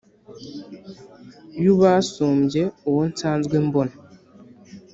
y’ubasumbye uwo nsanzwe mbona